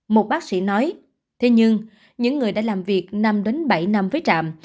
một bác sĩ nói thế nhưng những người đã làm việc năm bảy năm với trạm